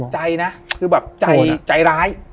ใจนะใจร้าย